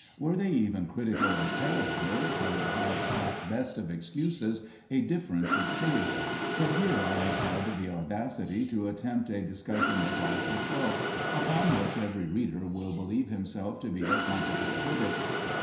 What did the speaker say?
Were they even critical in character, I would have that best of excuses, a difference of taste, but here I have had the audacity to attempt a discussion of life itself, upon which every reader will believe himself to be a competent critic.